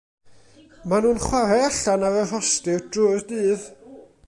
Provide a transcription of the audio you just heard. Maen nhw'n chwarae allan ar y rhostir drwy'r dydd.